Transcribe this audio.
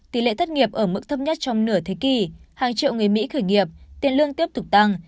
thấp nhất trong nửa thế kỷ hàng triệu người mỹ khởi nghiệp tiền lương tiếp tục tăng